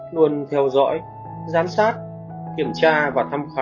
luôn theo dõi giám sát kiểm tra và thăm khám